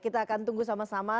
kita akan tunggu sama sama